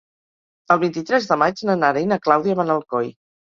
El vint-i-tres de maig na Nara i na Clàudia van a Alcoi.